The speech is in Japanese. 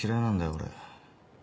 俺。